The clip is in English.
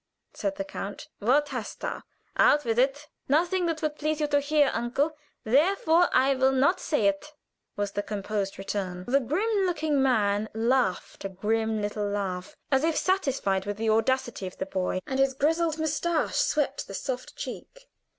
_" said the count. "What hast thou? Out with it!" "Nothing that it would please you to hear, uncle; therefore I will not say it," was the composed retort. The grim looking man laughed a grim little laugh, as if satisfied with the audacity of the boy, and his grizzled mustache swept the soft cheek.